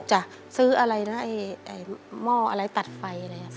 ใช่ซื้ออะไรนะหม้ออะไรตัดไฟอะไร